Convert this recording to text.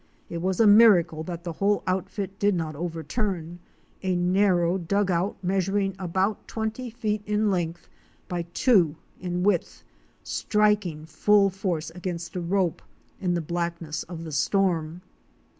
It was a miracle that the whole outfit did not overturn — a narrow dug out, measur ing about twenty feet in length by two in width, striking full force against a rope in the blackness of the storm.